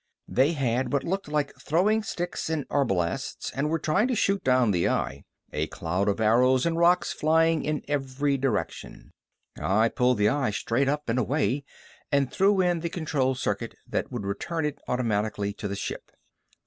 They had what looked like throwing sticks and arbalasts and were trying to shoot down the eye, a cloud of arrows and rocks flying in every direction. I pulled the eye straight up and away and threw in the control circuit that would return it automatically to the ship.